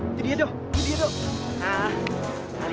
itu dia do itu dia do